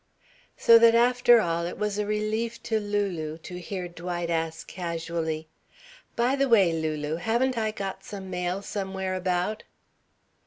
So that after all it was a relief to Lulu to hear Dwight ask casually: "By the way, Lulu, haven't I got some mail somewhere about?"